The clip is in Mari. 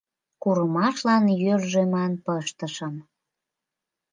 Курымашлан йӧржӧ ман пыштышым, -